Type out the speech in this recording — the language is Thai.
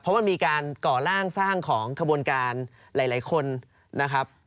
เพราะมันมีการก่อล่างสร้างของขบวนการหลายคนนะครับ